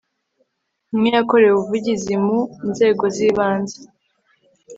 umwe yakorewe ubuvugizimu nzego z ibanze